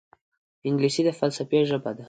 انګلیسي د فلسفې ژبه ده